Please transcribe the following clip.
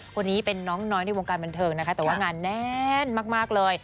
คนนี้เป็นน้องน้อยในวงการบันเทิงนะคะแต่ว่างานแน่นมากเลย